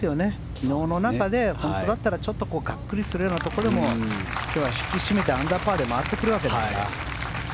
昨日の中で本当だったらがっくりするようなところでも今日は引き締めてアンダーパーで回ってくるわけだから。